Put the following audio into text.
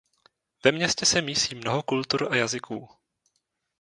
Ve městě se mísí mnoho kultur a jazyků.